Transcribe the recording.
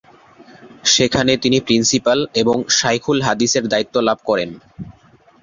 সেখানে তিনি প্রিন্সিপাল এবং শায়খুল-হাদিসের দায়িত্ব লাভ করেন।